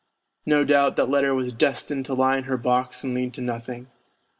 No doubt that letter was destined to lie in her box and lead to nothing.